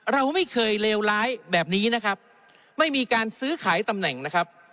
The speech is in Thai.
เราไม่เคยเลวร้ายแบบนี้นะครับไม่มีการซื้อขายตำแหน่งนะครับ